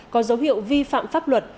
có dấu hiệu vi phạm pháp luật